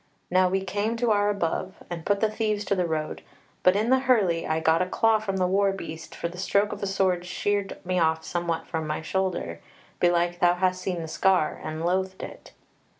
Now we came to our above, and put the thieves to the road; but in the hurly I got a claw from the war beast, for the stroke of a sword sheared me off somewhat from my shoulder: belike thou hast seen the scar and loathed it."